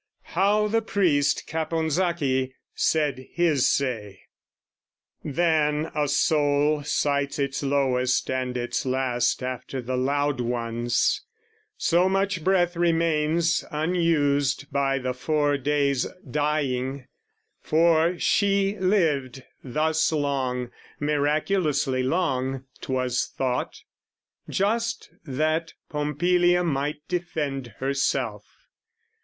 How the priest Caponsacchi said his say. Then a soul sights its lowest and its last After the loud ones, so much breath remains Unused by the four day's dying; for she lived Thus long, miraculously long, 'twas thought, Just that Pompilia might defend herself.